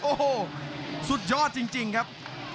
โอ้โหสุดยอดจริงครับ